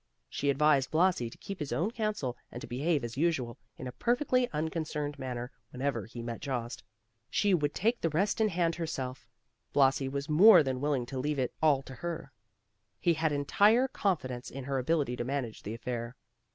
She advised Blasi to keep his own counsel, and to behave as usual, in a perfectly unconcerned manner, whenever he met Jost. She would take the rest in hand herself. Blasi was more than willing to leave it all to her; he had entire confidence in her ability to manage the affair.